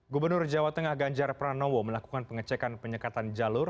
gubernur jawa tengah ganjar pranowo melakukan pengecekan penyekatan jalur